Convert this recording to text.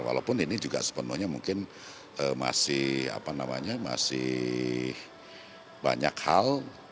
walaupun ini juga sepenuhnya mungkin masih banyak hal